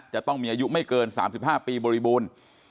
จะต้องมีอายุไม่เกิน๓๕ปีบริบูรณ์